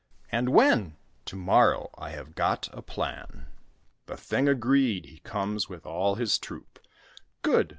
"And when?" "To morrow; I have got a plan." The thing agreed, he comes with all his troop. "Good!